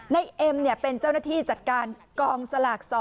เอ็มเป็นเจ้าหน้าที่จัดการกองสลาก๒